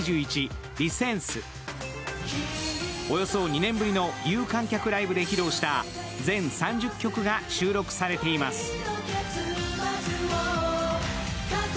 およそ２年ぶりの有観客ライブで披露した全３０曲が収録されています。